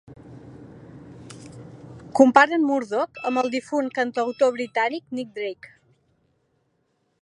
Comparen Murdoch amb el difunt cantautor britànic Nick Drake.